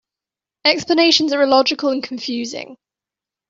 Explanations are illogical and confusing.